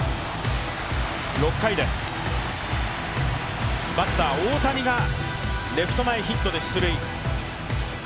６回です、バッター・大谷がレフト前ヒットで出塁。